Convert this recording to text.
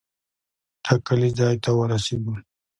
ټاکلي ځای ته ورسېدو.